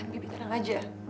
bibi tenang aja